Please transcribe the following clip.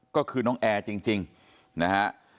ก็คือน้องแอร์จริงนะฮะ